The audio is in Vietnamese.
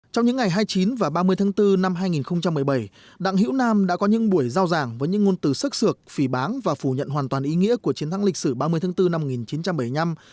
trong những ngày hai mươi chín và ba mươi tháng bốn năm hai nghìn một mươi bảy đặng hữu nam đã có những buổi giao giảng với những ngôn từ sức sược phỉ báng và phủ nhận hoàn toàn ý nghĩa của chiến thắng lịch sử ba mươi tháng bốn năm một nghìn chín trăm bảy mươi năm